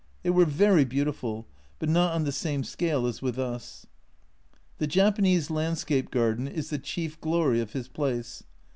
They were very beautiful, but not on the same scale as with us. The Japanese landscape garden is the chief glory of his place.